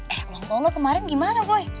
eh ulang tahun lo kemarin gimana boy